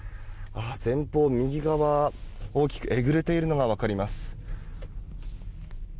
前方、右側、大きくえぐれているのが分かります。